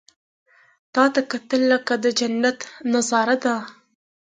• تا ته کتل، لکه د جنت نظاره ده.